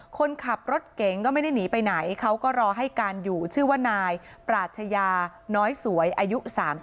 คนขับรถเก๋งก็ไม่ได้หนีไปไหนเขาก็รอให้การอยู่ชื่อว่านายปราชยาน้อยสวยอายุ๓๒